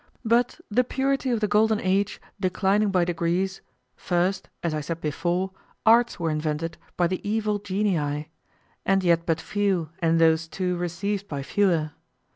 But the purity of the golden age declining by degrees, first, as I said before, arts were invented by the evil genii; and yet but few, and those too received by fewer.